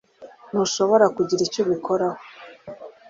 Ntushobora kugira icyo ubikoraho